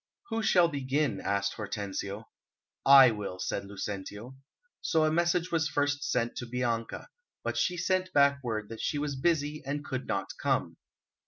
"Who shall begin?" asked Hortensio. "I will," said Lucentio. So a message was first sent to Bianca. But she sent back word that she was busy and could not come.